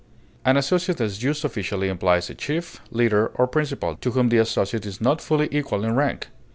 An associate as used officially implies a chief, leader, or principal, to whom the associate is not fully equal in rank.